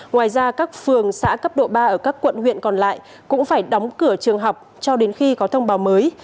ngoài ra các phường xã cấp độ ba ở các quận huyện còn lại cũng phải đóng cửa trường học cho đến khi có thông báo mới